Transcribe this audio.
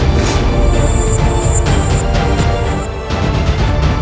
aku harus memulihkan tenaga aku